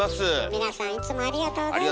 皆さんいつもありがとうございます。